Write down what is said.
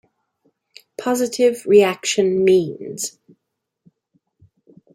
Positive reaction means.